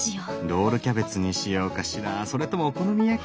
ロールキャベツにしようかしらそれともお好み焼き。